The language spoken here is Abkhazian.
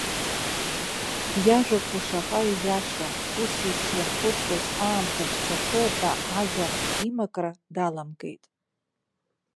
Иажәақәа шаҟа ииашам, усеиԥш ианхәыцуаз аамҭа шцахьоу ҳәа ажәа имакра даламгеит.